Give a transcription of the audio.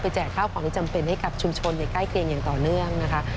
แจกข้าวของจำเป็นให้กับชุมชนในใกล้เคียงอย่างต่อเนื่องนะคะ